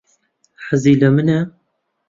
حەزی لە منە؟